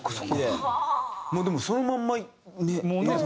でもそのまんま映像に。